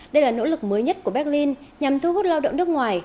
đây là nỗ lực mới nhất của berlin nhằm thu hút lao động nước ngoài